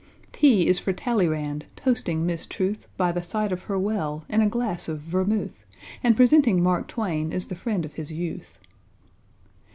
=T= is for =T=alleyrand toasting Miss =T=ruth, By the side of her well, in a glass of vermouth, And presenting Mark =T=wain as the friend of his youth.